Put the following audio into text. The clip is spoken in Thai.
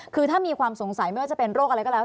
คือถ้ามีความสงสัยไม่ว่าจะเป็นโรคอะไรก็แล้ว